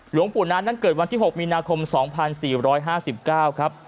หลวงปู่นั้นนั้นเกิดวันที่๖มีนาคม๒๔๕๙ครับ